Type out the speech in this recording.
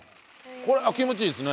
これ気持ちいいですね。